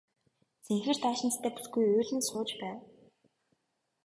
Цэнхэр даашинзтай бүсгүй уйлан сууж байв.